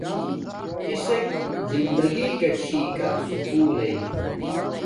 کسک زندگی کا چھی کا سکُولݵ